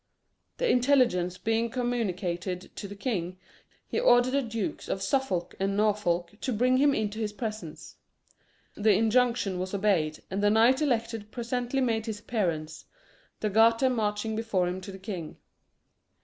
The intelligence being communicated to the king, he ordered the Dukes of Suffolk and Norfolk to bring him into his presence. The injunction was obeyed, and the knight elect presently made his appearance, the Garter marching before him to the king.